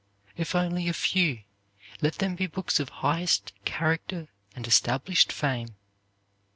If only a few, let them be books of highest character and established fame.